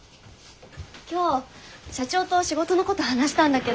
今日社長と仕事のこと話したんだけど。